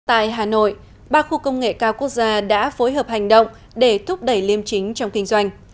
tại hà nội ba khu công nghệ cao quốc gia đã phối hợp hành động để thúc đẩy liêm chính trong kinh doanh